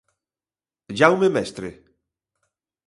Jaume Mestre.